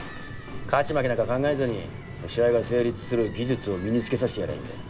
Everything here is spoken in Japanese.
勝ち負けなんか考えずに試合が成立する技術を身につけさせてやりゃいいんだよ。